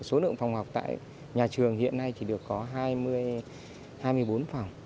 số lượng phòng học tại nhà trường hiện nay chỉ được có hai mươi bốn phòng